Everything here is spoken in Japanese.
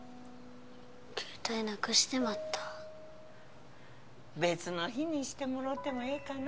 携帯なくしてまった別の日にしてもろうてもええかな？